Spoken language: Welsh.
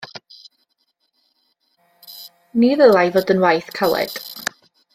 Ni ddylai fod yn waith caled.